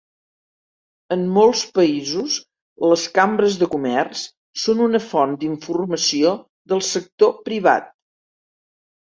En molts països, les Cambres de Comerç són una font d'informació del sector privat.